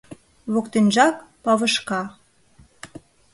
Воктенжак — павышка.